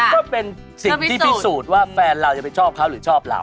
ก็เป็นสิ่งที่พิสูจน์ว่าแฟนเราจะไปชอบเขาหรือชอบเรา